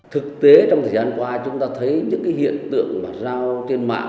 thực tế trong thời gian qua chúng ta thấy những hiện tượng giao trên mạng